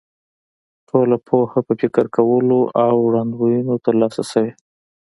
ټوله پوهه په فکر کولو او وړاندوینو تر لاسه شوې.